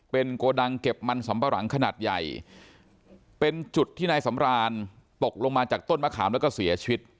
เป็นโกดังเก็บมันสำปะหลังขนาดใหญ่เป็นจุดที่นายสำรานตกลงมาจากต้นมะขามแล้วก็เสียชีวิต